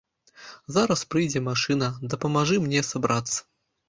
Зараз прыйдзе машына, дапамажы мне сабрацца.